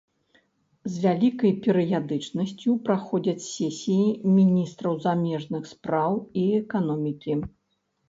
З вялікай перыядычнасцю праходзяць сесіі міністраў замежных спраў і эканомікі.